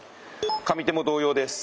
上手も同様です。